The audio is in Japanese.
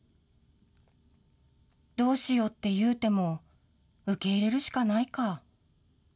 どうしよってゆーても受け入れるしかないか。